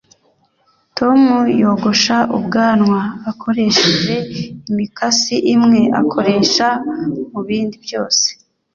tom yogosha ubwanwa akoresheje imikasi imwe akoresha mubindi byose